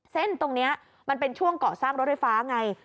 เส้นตรงนี้มันเป็นช่วงเกาะสร้างรถไฟฟ้าไง